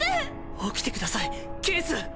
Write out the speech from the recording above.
起きてくださいキース！